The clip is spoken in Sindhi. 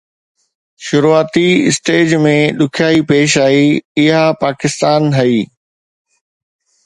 شروعاتي اسٽيج ۾ ڏکيائي پيش آئي، اها پاڪستان هئي